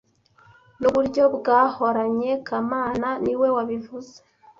Nuburyo bwahoranye kamana niwe wabivuze